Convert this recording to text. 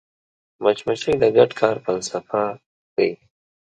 مچمچۍ د ګډ کار فلسفه ښيي